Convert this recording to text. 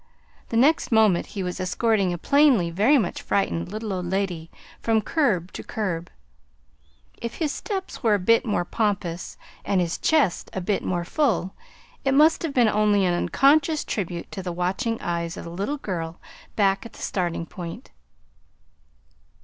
The next moment he was escorting a plainly very much frightened little old lady from curb to curb. If his step were a bit more pompous, and his chest a bit more full, it must have been only an unconscious tribute to the watching eyes of the little girl back at the starting point.